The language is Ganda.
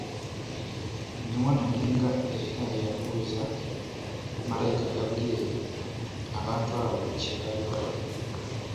Ne wano Olinga era yabuuza Malayika Gaabulyeri abantu abo kye baali bakola